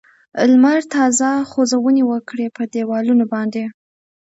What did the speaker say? لمر تازه غځونې وکړې په دېوالونو باندې.